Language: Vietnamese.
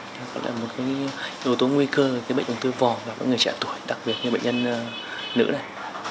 có thể là một yếu tố nguy cơ của bệnh ung thư vòm và các người trẻ tuổi đặc biệt như bệnh nhân nữ này